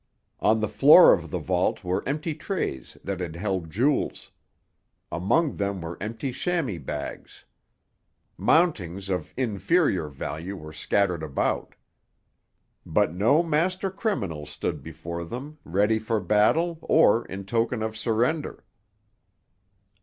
On the floor of the vault were empty trays that had held jewels. Among them were empty chamois bags. Mountings of inferior value were scattered about. But no master criminal stood before them, ready for battle, or in token of surrender!